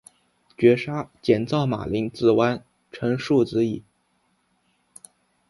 绝杀，减灶马陵自刎，成竖子矣